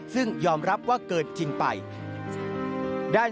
จึงเสนอว่าจะให้เงิน๑๐๐๐๐บาท